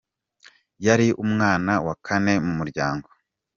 Yari umwana wa kane mu muryango.